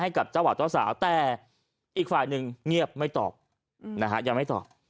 กับเจ้าบ่าวเจ้าสาวแต่อีกฝ่ายหนึ่งเงียบไม่ตอบนะฮะยังไม่ตอบ